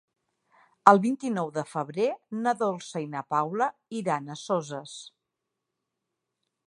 El vint-i-nou de febrer na Dolça i na Paula iran a Soses.